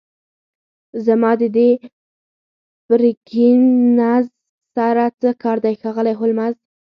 زما د دې پرکینز سره څه کار دی ښاغلی هولمز